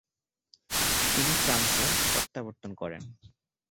তিনি ফ্রান্সে প্রত্যাবর্তন করেন।